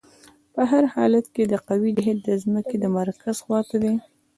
په هر حالت کې د قوې جهت د ځمکې د مرکز خواته دی.